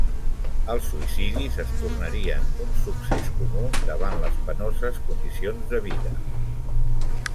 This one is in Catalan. Els suïcidis es tornarien un succés comú davant les penoses condicions de vida.